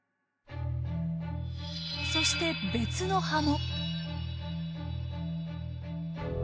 そして別の葉も。